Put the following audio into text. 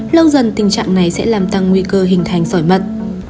lâu dần tình trạng này sẽ làm tăng nguy cơ hình thành sỏi mật